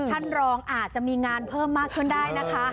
ท่านรองอาจจะมีงานเพิ่มมากขึ้นได้นะคะ